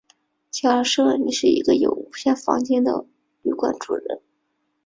假设你是有无限个房间的旅馆主人。